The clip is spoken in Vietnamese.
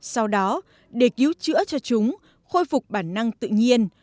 sau đó để cứu chữa cho chúng khôi phục bản năng tự nhiên